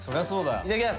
いただきます。